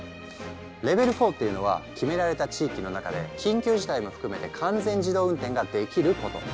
レベル４っていうのは決められた地域の中で緊急事態も含めて完全自動運転ができること。